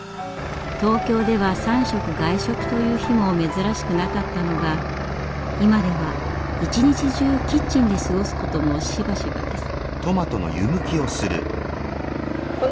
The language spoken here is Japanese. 東京では３食外食という日も珍しくなかったのが今では一日中キッチンで過ごすこともしばしばです。